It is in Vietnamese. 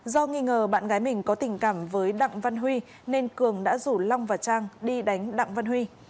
do nghi ngờ bạn gái mình có tình cảm với đặng văn huy nên cường đã rủ long và trang đi đánh đặng văn huy